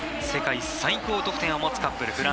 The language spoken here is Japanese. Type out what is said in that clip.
世界最高得点を持つカップル。